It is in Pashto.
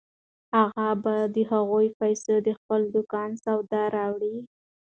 اغا به په هغو پیسو د خپل دوکان سودا راوړي.